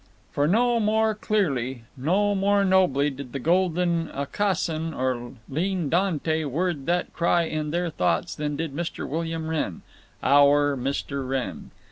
For no more clearly, no more nobly did the golden Aucassin or lean Dante word that cry in their thoughts than did Mr. William Wrenn, Our Mr. Wrenn.